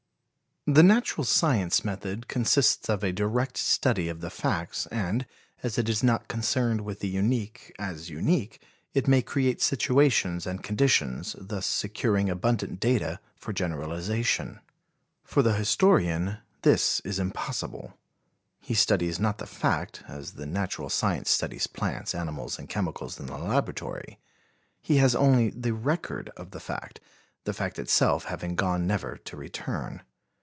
The natural science method consists of a direct study of the facts, and, as it is not concerned with the unique as unique, it may create situations and conditions, thus securing abundant data for generalization. For the historian this is impossible. He studies not the fact, as the natural scientist studies plants, animals and chemicals in the laboratory; he has only the record of the fact, the fact itself having gone never to return.